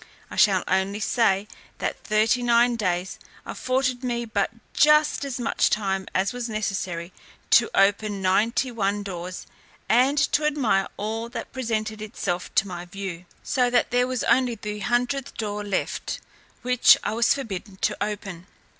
I shall only say, that thirty nine days afforded me but just as much time as was necessary to open ninety nine doors, and to admire all that presented itself to my view, so that there was only the hundredth door left, which I was forbidden to open.